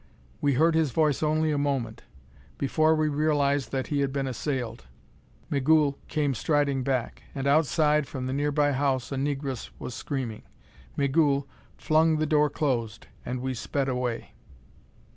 We heard his voice only a moment. Before we realized that he had been assailed. Migul came striding back; and outside, from the nearby house a negress was screaming. Migul flung the door closed, and we sped away.